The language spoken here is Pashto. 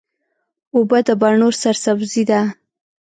اوبه د بڼو سرسبزي ده.